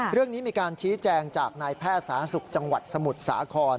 เรื่องนี้มีการชี้แจงจากนายแพทย์สาธารณสุขจังหวัดสมุทรสาคร